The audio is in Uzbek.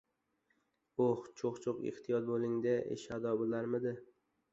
— Uh, chuq-chuq, ehtiyot bo‘ling-e, ish ado bo‘larmidi…